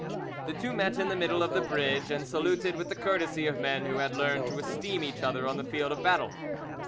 The two met in the middle of the bridge, and saluted with the courtesy of men who had learned to esteem each other on the field of battle.